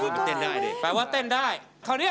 คุณฟังผมแป๊บนึงนะครับ